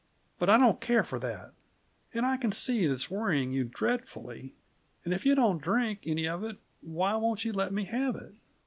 But I don't care for that. And I can see that it's worrying you dreadfully. And if you don't drink any of it, why won't you let me have it?"